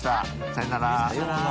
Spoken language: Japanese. さようなら。